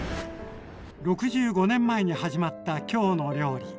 ６５年前に始まった「きょうの料理」。